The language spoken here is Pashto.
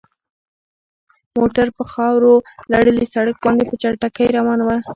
موټر په خاورو لړلي سړک باندې په چټکۍ روان و.